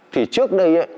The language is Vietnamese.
thì trước đây